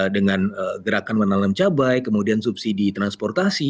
dengan gerakan menanam cabai kemudian subsidi transportasi